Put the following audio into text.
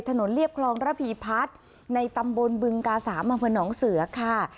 ถนนเรียบคลองระผีพัดในตำบลบึงกา๓มาพื้นหนองเสือค่ะ